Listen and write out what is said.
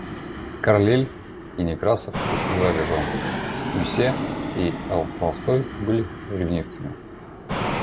Карлейль и Некрасов истязали жен. Мюссе и Л. Толстой были ревнивцами.